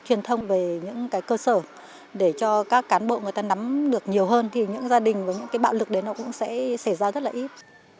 truyền thông về những cái cơ sở để cho các cán bộ người ta nắm được nhiều hơn thì những gia đình và những cái bạo lực đấy nó cũng sẽ xảy ra rất là ít